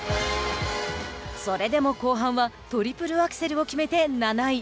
それでも後半はトリプルアクセルを決めて７位。